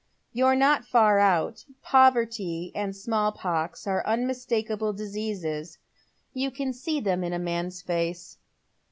" You're not far out. Poverty and «malI pox are unmistakable diseases. You can see them in a man's face.